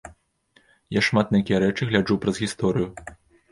Я шмат на якія рэчы гляджу праз гісторыю.